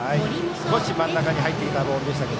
少し真ん中に入ってきたボールでしたが。